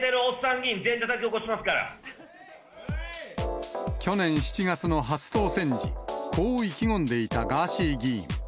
議員、去年７月の初当選時、こう意気込んでいたガーシー議員。